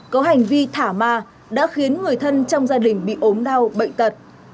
có hành vi thả ma đã khiến người thân trong gia đình bị ốm đau bệnh tật